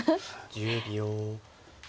１０秒。